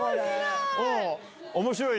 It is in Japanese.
面白い！